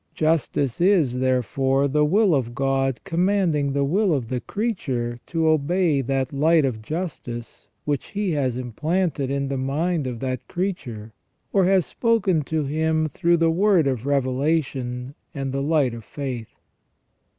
Justice, is, therefore, the will of God commanding the will of the creature to obey that light of justice which He has implanted in the mind of that creature, or has spoken to him through the word of revelation and the light of faith.